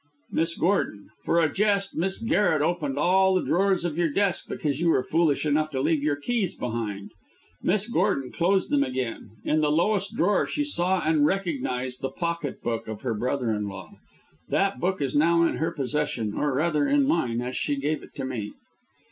"Miss Gordon. For a jest, Miss Garret opened all the drawers of your desk, because you were foolish enough to leave your keys behind. Miss Gordon closed them again. In the lowest drawer she saw and recognised the pocket book of her brother in law. That book is now in her possession or rather, in mine, as she gave it to me."